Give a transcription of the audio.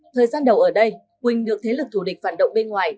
thời gian đầu ở đây quỳnh được thế lực thù địch phản động bên ngoài